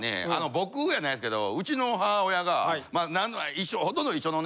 僕やないですけどうちの母親がほとんど一緒のね